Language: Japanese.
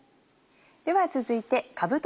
では続いてかぶと